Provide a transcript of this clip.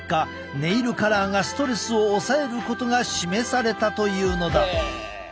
ネイルカラーがストレスを抑えることが示されたというのだ。